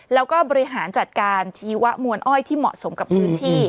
แล้วก็บริหารจัดการชีวมวลอ้อยที่เหมาะสมกับพื้นที่